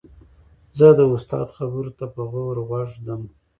زه د استاد خبرو ته په غور غوږ ږدم.